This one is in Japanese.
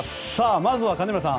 まずは金村さん